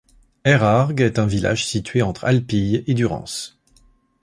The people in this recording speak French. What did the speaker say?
Eyragues est un village situé entre Alpilles et Durance.